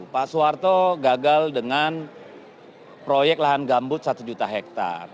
pak soeharto gagal dengan proyek lahan gambut satu juta hektare